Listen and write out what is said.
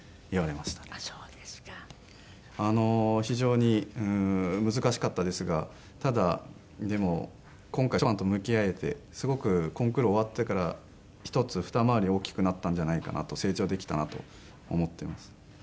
非常に難しかったですがただでも今回ショパンと向き合えてすごくコンクール終わってから一つ二回り大きくなったんじゃないかなと成長できたなと思ってます。